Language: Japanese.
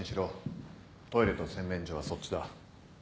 トイレと洗面所はそっちだ。